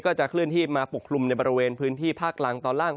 จะเคลื่อนที่มาปกคลุมในบริเวณพื้นที่ภาคล่างตอนล่าง